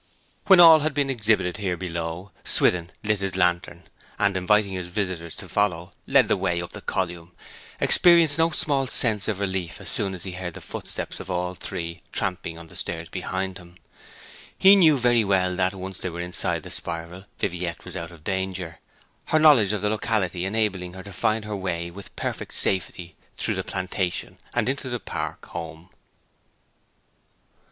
When all had been exhibited here below, Swithin lit his lantern, and, inviting his visitors to follow, led the way up the column, experiencing no small sense of relief as soon as he heard the footsteps of all three tramping on the stairs behind him. He knew very well that, once they were inside the spiral, Viviette was out of danger, her knowledge of the locality enabling her to find her way with perfect safety through the plantation, and into the park home.